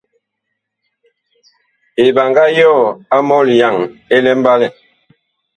Eɓaŋga yɔɔ a mɔlyaŋ ɛ mbalɛ.